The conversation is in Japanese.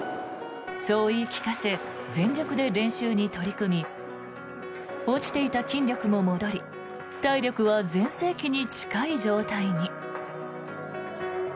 そう言い聞かせ全力で練習に取り組み落ちていた筋力も戻り体力は全盛期に近い状態に。